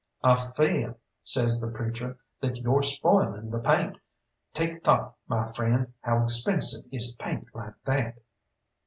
"I feah," says the preacher, "that yo're spoiling the paint. Take thought, my friend, how expensive is paint like that!"